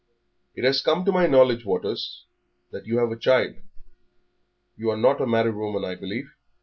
"It has come to my knowledge, Waters, that you have a child. You're not a married woman, I believe?"